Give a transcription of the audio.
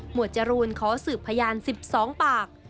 วดจรูนขอสืบพยาน๑๒ปาก